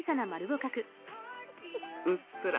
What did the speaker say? うっすら。